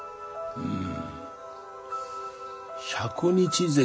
うん？